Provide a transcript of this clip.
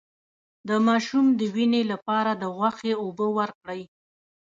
د ماشوم د وینې لپاره د غوښې اوبه ورکړئ